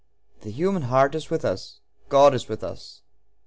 The human heart is with us; God is with us.